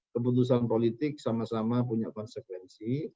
keputusan politik sama sama punya konsekuensi